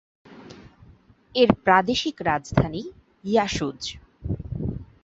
এর প্রাদেশিক রাজধানী ইয়াসুজ।